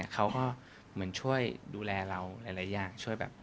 เค้าก็เหมือนช่วยดูแลเราหลายอย่าง